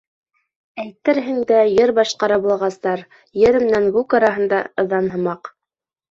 Әйтерһең дә, йыр башҡара был ағастар Ер менән күк араһында ыҙан һымаҡ.